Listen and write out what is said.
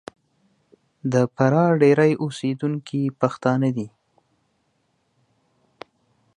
د فراه ډېری اوسېدونکي پښتانه دي.